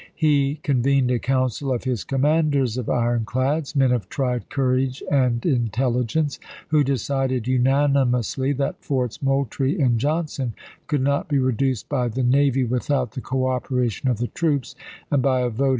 He convened a council of his commanders of Jui864?0' ironclads, — men of tried courage and intelligence, — who decided unanimously that Forts Moultrie and Johnson could not be reduced by the navy with out the cooperation of the troops, and by a vote 1863.